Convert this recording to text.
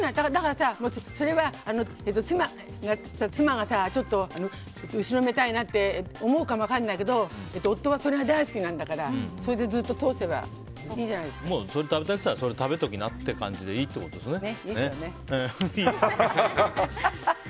それは妻がさちょっと、後ろめたいなって思うかも分からないけど夫はそれが大好きなんだからずっとそれで通せばそれ食べたいと言ったらそれ食べときなって感じでいいってことですよね。